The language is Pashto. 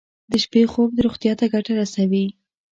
د شپې خوب روغتیا ته ګټه رسوي.